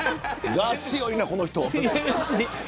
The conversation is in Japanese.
我が強いな、この人。